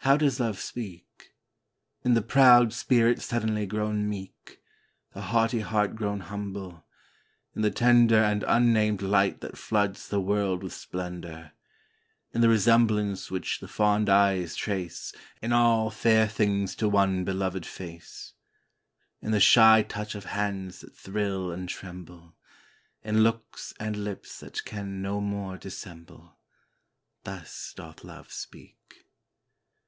How does Love speak? In the proud spirit suddenly grown meek The haughty heart grown humble; in the tender And unnamed light that floods the world with splendor; In the resemblance which the fond eyes trace In all fair things to one beloved face; In the shy touch of hands that thrill and tremble; In looks and lips that can no more dissemble Thus doth Love speak.